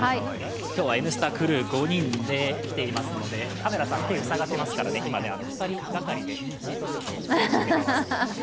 今日は「Ｎスタ」クルー５人で来ていますので、カメラさん、手、ふさがってますので今、２人がかりでシートベルトを締めています。